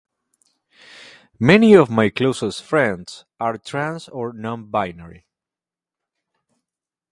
Many of my closest friends are trans or non-binary.